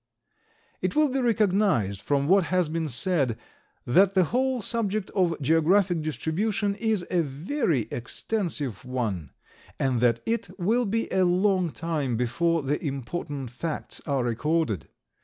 It will be recognized from what has been said that the whole subject of geographic distribution is a very extensive one, and that it will be a long time before the important facts are recorded.